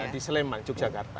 di sleman yogyakarta